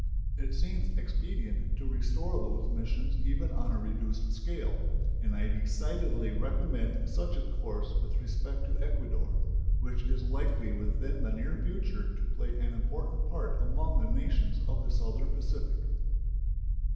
It seems expedient to restore those missions, even on a reduced scale, and I decidedly recommend such a course with respect to Ecuador, which is likely within the near future to play an important part among the nations of the Southern Pacific.